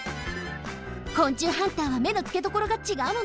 昆虫ハンターはめのつけどころがちがうのね。